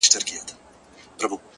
په تمه نه یم.